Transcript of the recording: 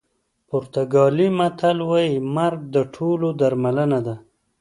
پرتګالي متل وایي مرګ د ټولو درملنه ده.